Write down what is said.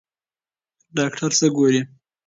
ډاکټره څه ګوري؟